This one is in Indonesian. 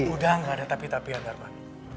udah gak ada tapi tapian darman